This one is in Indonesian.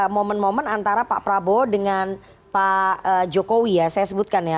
momen momen antara pak prabowo dengan pak jokowi ya saya sebutkan ya